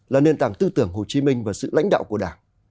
là nền tảng tư tưởng hồ chí minh và sự lãnh đạo của đảng